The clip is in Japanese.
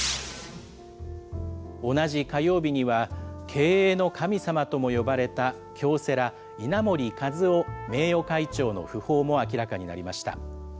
同じ火曜日には、経営の神様とも呼ばれた京セラ、稲盛和夫名誉会長の訃報も明らかになりました。